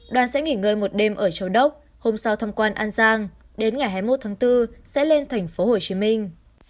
đoàn sẽ nghỉ ngơi một đêm ở châu đốc hôm sau thăm quan an giang đến ngày hai mươi một tháng bốn sẽ lên thành phố hồ chí minh